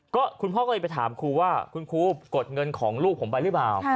ก็คุณพ่อก็เลยไปถามครูว่าคุณครูกดเงินของลูกผมไปหรือเปล่า